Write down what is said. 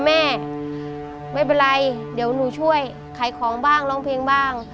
แม่ไม่เป็นไรเดี๋ยวหนูช่วยขายของบ้างร้องเพลงบ้าง